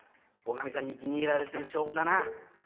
おかみさんに気に入られてる証拠だな。